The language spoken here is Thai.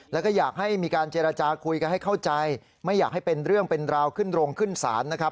แล้วก็อยากให้มีการเจรจาคุยกันให้เข้าใจไม่อยากให้เป็นเรื่องเป็นราวขึ้นโรงขึ้นศาลนะครับ